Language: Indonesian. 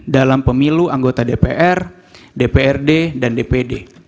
dalam pemilu anggota dpr dprd dan dpd